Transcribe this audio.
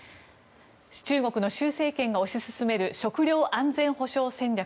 中国の習政権が推し進める食料安全保障戦略